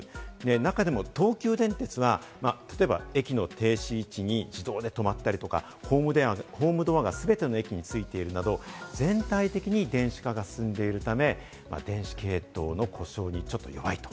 中でも東急電鉄は例えば駅の停止位置に自動で止まったりとか、ホームドアがすべての駅についているなど、全体的に電子化が進んでいるため、電子系統の故障にちょっと弱い。